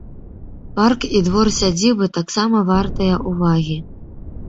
Парк і двор сядзібы таксама вартыя ўвагі.